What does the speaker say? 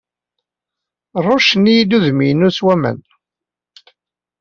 Ṛuccen-iyi-d udem-inu s waman.